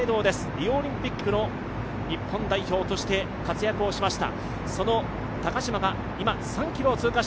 リオオリンピックの日本代表として活躍しました。